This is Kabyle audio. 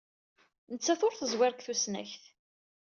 Nettat ur teẓwir deg tusnakt.